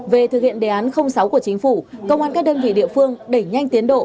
về thực hiện đề án sáu của chính phủ công an các đơn vị địa phương đẩy nhanh tiến độ